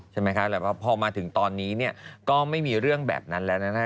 ใช่ไหมคะแต่ว่าพอมาถึงตอนนี้เนี่ยก็ไม่มีเรื่องแบบนั้นแล้วแน่